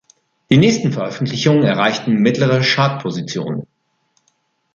Die nächsten Veröffentlichungen erreichten mittlere Chartpositionen.